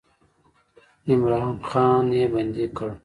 عمرا خان یې بندي کړ.